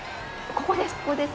ここです。